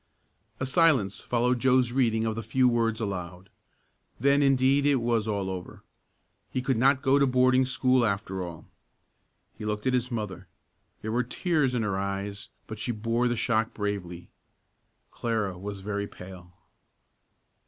A silence followed Joe's reading of the few words aloud. Then indeed it was all over. He could not go to boarding school after all. He looked at his mother. There were tears in her eyes but she bore the shock bravely. Clara was very pale.